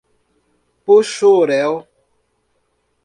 Poxoréu